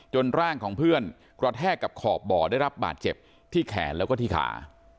ร่างของเพื่อนกระแทกกับขอบบ่อได้รับบาดเจ็บที่แขนแล้วก็ที่ขา